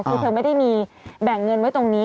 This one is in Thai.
คือเธอไม่ได้มีแบ่งเงินไว้ตรงนี้